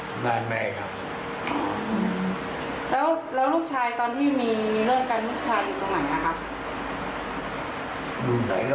บ้านแม่ครับแล้วแล้วลูกชายตอนที่มีมีเรื่องกันลูกชายอยู่ตรงไหนนะครับ